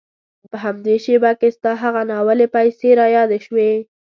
په همدې شېبه کې ستا هغه ناولې پيسې را یادې شوې.